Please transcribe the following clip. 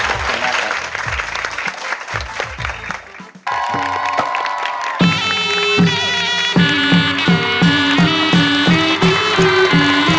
โรงเรียนฉะอวดวิทยาคาร